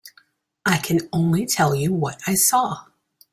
I can only tell you what I saw.